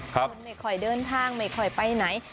คนไม่ค่อยเดินทางไม่ค่อยไปไหน